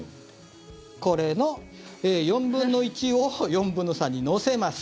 これの４分の１を４分の３に乗せます。